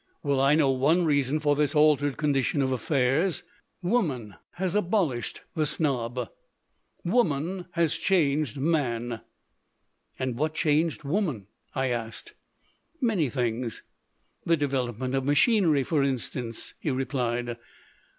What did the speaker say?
Well, I know one reason for this altered condition of affairs. Woman has abolished the snob. Woman has changed man." "And what changed woman?" I asked. "Many things; the development of machinery, for instance," he replied.